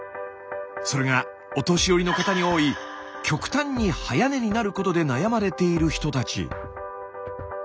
それがお年寄りの方に多い極端に早寝になることで悩まれている人たち。